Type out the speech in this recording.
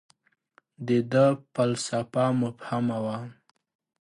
• د ده فلسفه مبهمه وه.